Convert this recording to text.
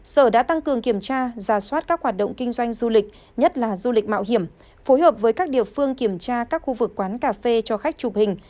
sở đã tăng cường kiểm tra giả soát các hoạt động kinh doanh du lịch nhất là du lịch mạo hiểm phối hợp với các địa phương kiểm tra các khu vực quán cà phê cho khách chụp hình